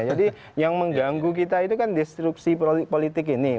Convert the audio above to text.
jadi yang mengganggu kita itu kan distrupsi politik ini